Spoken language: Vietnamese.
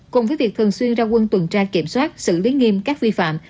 cùng với việc thường xuyên ra quân tuần tra kiểm soát xử lý nghiêm các vi phạm